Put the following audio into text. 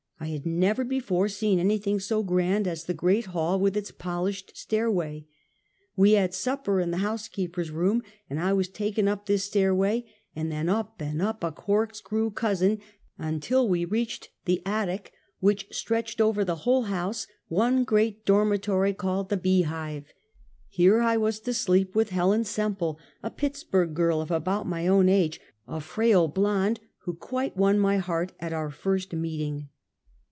I had never before seen any thing so grand as the great hall with its polished stair way. We had supper in the housekeeper's room, and I was taken up this stairway, and then up and up a corkscrew cousin until we reached the attic, which stretched over the whole house, one great dormitory called the " bee hive." Here I was to sleep with Hel en Semple, a Pittsburg girl, of about my own age, a frail blonde, who quite won my heart at our first meeting.